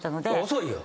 遅いよ。